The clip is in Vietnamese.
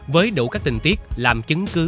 với đủ các tình tiết làm chứng cứ